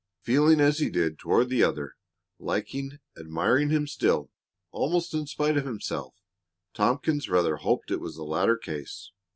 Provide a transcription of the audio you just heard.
Feeling as he did toward the other liking, admiring him still, almost in spite of himself, Tompkins rather hoped it was the latter case.